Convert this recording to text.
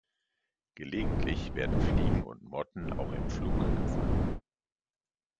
Gelegentlich werden Fliegen und Motten auch im Flug gefangen.